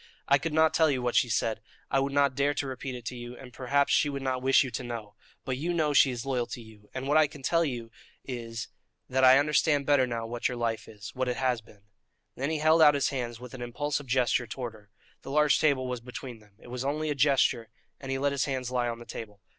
"I could not tell you what she said; I would not dare to repeat it to you, and perhaps she would not wish you to know; but you know she is loyal to you, and what I can tell you is, that I understand better now what your life is what it has been." Then he held out his hands with an impulsive gesture towards her. The large table was between them; it was only a gesture, and he let his hands lie on the table.